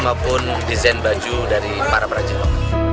maupun desain baju dari para para juri lokal